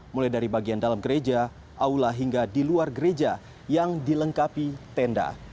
mulai dari bagian dalam gereja aula hingga di luar gereja yang dilengkapi tenda